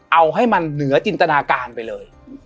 เอาให้มันเหนือจินตนาการไปเลย